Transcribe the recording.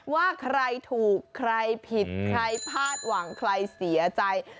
ว่าใครถูกใครผิดใครพลาดหวังใครเสียใจ